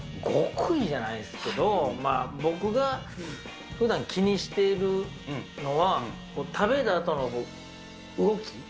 極意じゃないですけど、まあ、僕がふだん気にしているのは、食べたあとの動き。